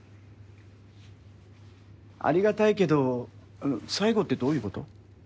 ありがたいけど最後ってどういうこと？